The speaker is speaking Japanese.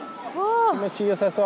気持ちよさそう！